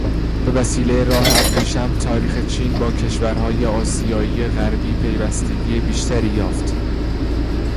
بوسیلهٔ راه ابریشم تاریخ چین با کشورهای آسیای غربی پیوستگی بیشتری یافت.